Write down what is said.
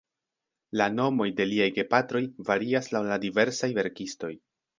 La nomoj de liaj gepatroj varias laŭ la diversaj verkistoj.